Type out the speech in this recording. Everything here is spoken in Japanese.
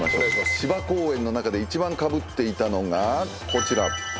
芝公園の中で１番かぶっていたのがこちら。